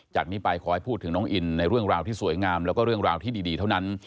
จากนี้ไปขอให้พูดถึงน้องอินในเรื่องราวที่สวยงามแล้วก็เรื่องราวที่ดีเท่านั้น